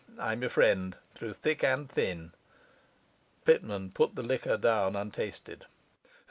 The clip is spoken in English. I'm your friend through thick and thin.' Pitman put the liquor down untasted.